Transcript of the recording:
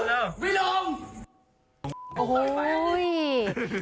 มันเป็นไหมอันนี้